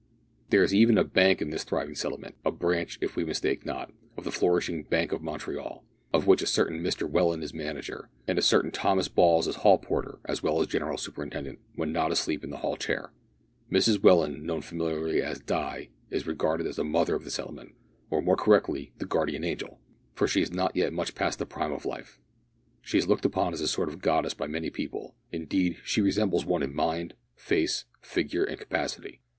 There is even a bank in this thriving settlement a branch, if we mistake not, of the flourishing Bank of Montreal of which a certain Mr Welland is manager, and a certain Thomas Balls is hall porter, as well as general superintendent, when not asleep in the hall chair. Mrs Welland, known familiarly as Di, is regarded as the mother of the settlement or, more correctly, the guardian angel for she is not yet much past the prime of life. She is looked upon as a sort of goddess by many people; indeed she resembles one in mind, face, figure, and capacity.